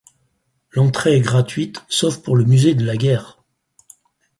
L'entrée est gratuite, sauf pour le musée de la guerre.